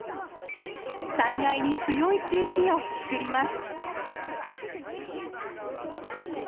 災害に強い地域を作ります。